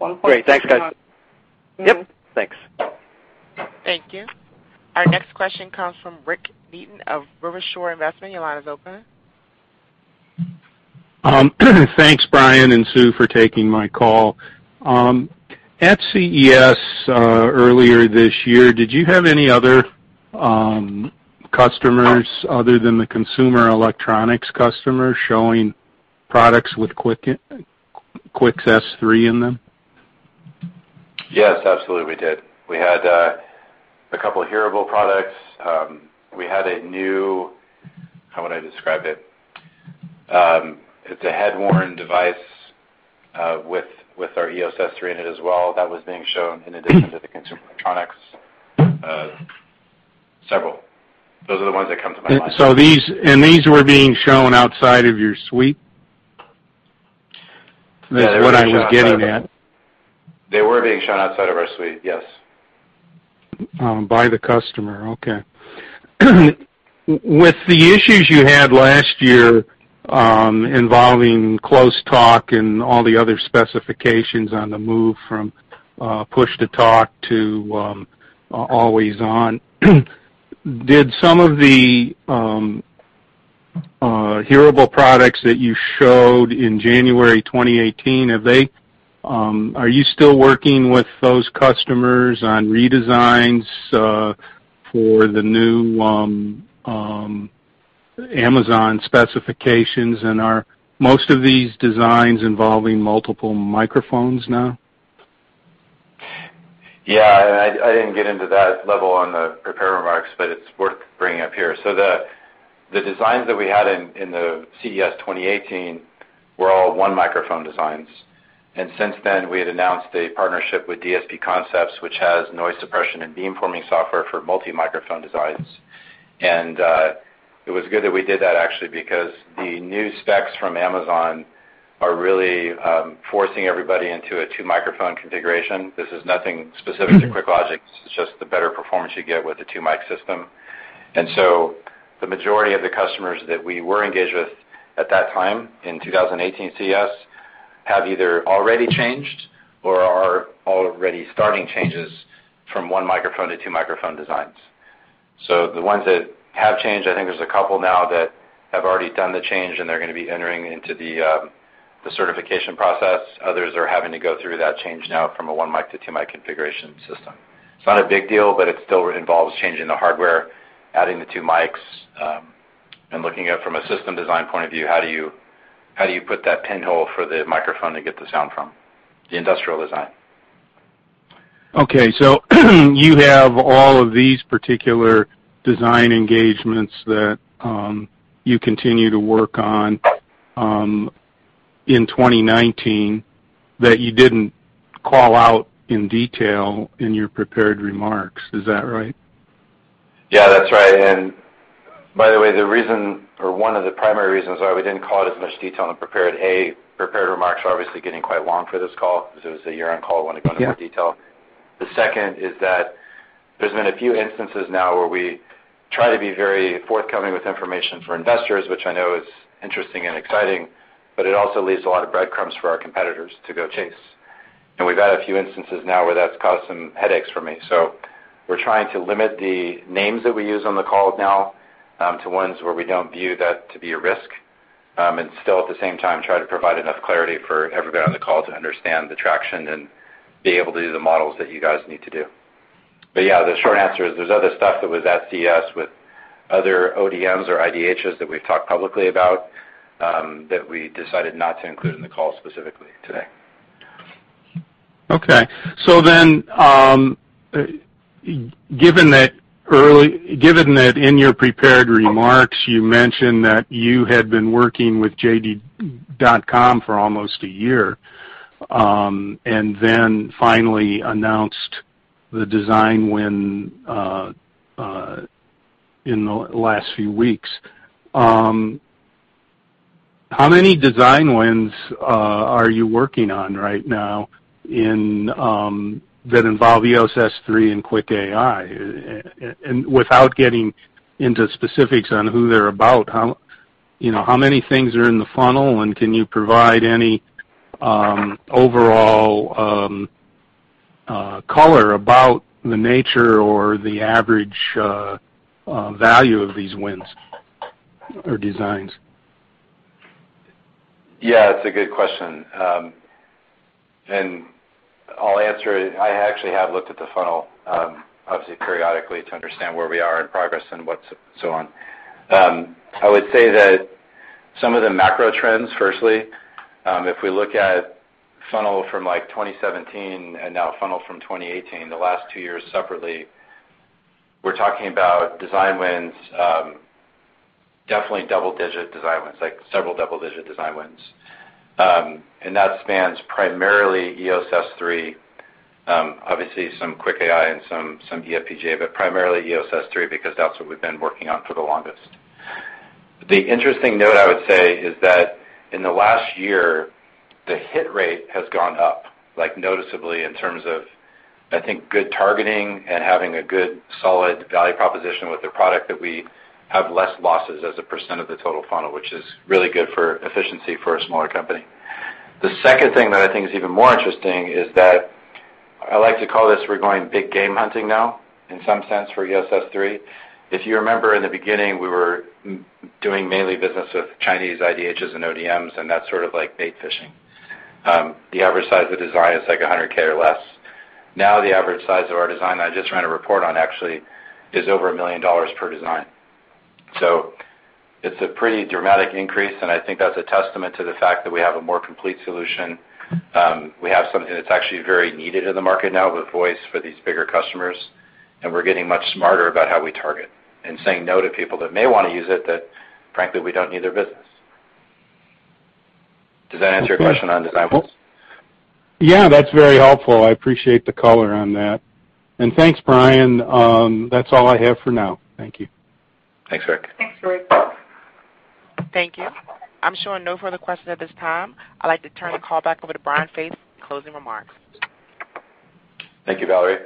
Speaker 4: $1.6 million.
Speaker 6: Great. Thanks, guys.
Speaker 3: Yep. Thanks.
Speaker 1: Thank you. Our next question comes from Rick Neaton of Rivershore Investment. Your line is open.
Speaker 7: Thanks, Brian and Sue, for taking my call. At CES earlier this year, did you have any other customers other than the consumer electronics customers showing products with QuickLogic's S3 in them?
Speaker 3: Yes, absolutely we did. We had a couple of hearable products. We had a new, how would I describe it? It's a head-worn device with our EOS S3 in it as well that was being shown in addition to the consumer electronics. Several. Those are the ones that come to my mind.
Speaker 7: These were being shown outside of your suite? That's what I was getting at.
Speaker 3: They were being shown outside of our suite, yes.
Speaker 7: By the customer, okay. With the issues you had last year, involving close talk and all the other specifications on the move from push-to-talk to always on, did some of the hearable products that you showed in January 2018, are you still working with those customers on redesigns for the new Amazon specifications? Are most of these designs involving multiple microphones now?
Speaker 3: Yeah, I didn't get into that level on the prepared remarks, but it's worth bringing up here. The designs that we had in the CES 2018 were all one microphone designs. Since then, we had announced a partnership with DSP Concepts, which has noise suppression and beamforming software for multi-microphone designs. It was good that we did that actually because the new specs from Amazon are really forcing everybody into a two-microphone configuration. This is nothing specific to QuickLogic, it's just the better performance you get with the two-mic system. The majority of the customers that we were engaged with at that time in 2018 CES have either already changed or are already starting changes from one microphone to two microphone designs. The ones that have changed, I think there's a couple now that have already done the change, and they're gonna be entering into the certification process. Others are having to go through that change now from a one mic to two mic configuration system. It's not a big deal, but it still involves changing the hardware, adding the two mics, and looking at it from a system design point of view, how do you put that pinhole for the microphone to get the sound from, the industrial design.
Speaker 7: Okay, you have all of these particular design engagements that you continue to work on in 2019 that you didn't call out in detail in your prepared remarks. Is that right?
Speaker 3: Yeah, that's right. By the way, the reason or one of the primary reasons why we didn't call out as much detail in the prepared remarks are obviously getting quite long for this call because it was a year-end call, wanted to go into more detail. The second is that there's been a few instances now where we try to be very forthcoming with information for investors, which I know is interesting and exciting, but it also leaves a lot of breadcrumbs for our competitors to go chase. We've had a few instances now where that's caused some headaches for me. We're trying to limit the names that we use on the call now to ones where we don't view that to be a risk. Still at the same time, try to provide enough clarity for everybody on the call to understand the traction and be able to do the models that you guys need to do. Yeah, the short answer is there's other stuff that was at CES with other ODMs or IDHs that we've talked publicly about, that we decided not to include in the call specifically today.
Speaker 7: Okay. Given that in your prepared remarks, you mentioned that you had been working with JD.com for almost a year, then finally announced the design win in the last few weeks. How many design wins are you working on right now that involve EOS S3 and QuickAI? Without getting into specifics on who they're about, how many things are in the funnel, and can you provide any overall color about the nature or the average value of these wins or designs.
Speaker 3: Yeah, it's a good question. I'll answer it. I actually have looked at the funnel, obviously periodically, to understand where we are in progress and what so on. I would say that some of the macro trends, firstly, if we look at funnel from 2017 and now funnel from 2018, the last two years separately, we're talking about design wins, definitely double-digit design wins, several double-digit design wins. That spans primarily EOS S3, obviously some QuickAI and some eFPGA, but primarily EOS S3 because that's what we've been working on for the longest. The interesting note I would say is that in the last year, the hit rate has gone up noticeably in terms of, I think, good targeting and having a good solid value proposition with the product that we have less losses as a % of the total funnel, which is really good for efficiency for a smaller company. The second thing that I think is even more interesting is that I like to call this, we're going big game hunting now, in some sense, for EOS S3. If you remember in the beginning, we were doing mainly business with Chinese IDHs and ODMs, and that's sort of like bait fishing. The average size of design is like $100,000 or less. Now the average size of our design, I just ran a report on actually, is over a million dollars per design. It's a pretty dramatic increase, and I think that's a testament to the fact that we have a more complete solution. We have something that's actually very needed in the market now with voice for these bigger customers, and we're getting much smarter about how we target and saying no to people that may want to use it, that frankly, we don't need their business. Does that answer your question on design wins?
Speaker 7: Yeah, that's very helpful. I appreciate the color on that. Thanks, Brian. That's all I have for now. Thank you.
Speaker 3: Thanks, Rick.
Speaker 4: Thanks, Rick.
Speaker 1: Thank you. I'm showing no further questions at this time. I'd like to turn the call back over to Brian Faith for closing remarks.
Speaker 3: Thank you, Valerie.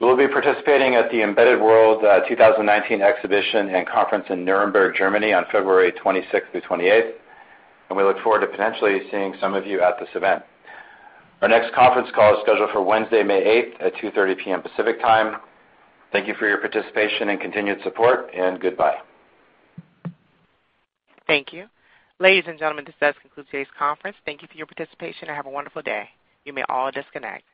Speaker 3: We'll be participating at the Embedded World 2019 exhibition and conference in Nuremberg, Germany on February 26th through 28th, and we look forward to potentially seeing some of you at this event. Our next conference call is scheduled for Wednesday, May 8th at 2:30 P.M. Pacific Time. Thank you for your participation and continued support, and goodbye.
Speaker 1: Thank you. Ladies and gentlemen, this does conclude today's conference. Thank you for your participation and have a wonderful day. You may all disconnect.